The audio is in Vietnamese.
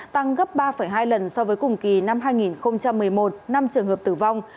tăng gấp ba hai lần so với cùng kỳ năm hai nghìn một mươi một năm trường hợp tử vong